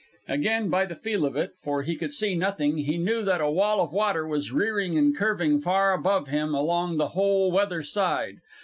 Again by the feel of it, for he could see nothing, he knew that a wall of water was rearing and curving far above him along the whole weather side.